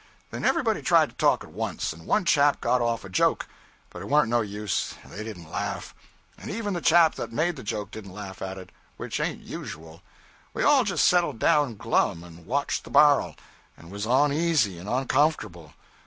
Then everybody tried to talk at once, and one chap got off a joke, but it warn't no use, they didn't laugh, and even the chap that made the joke didn't laugh at it, which ain't usual. We all just settled down glum, and watched the bar'l, and was oneasy and oncomfortable.